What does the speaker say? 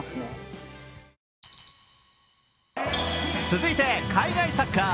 続いて海外サッカー。